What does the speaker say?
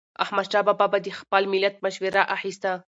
احمدشاه بابا به د خپل ملت مشوره اخیسته.